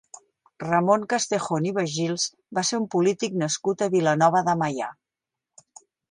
Ramon Castejón i Bajils va ser un polític nascut a Vilanova de Meià.